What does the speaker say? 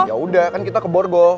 yaudah kan kita keborgo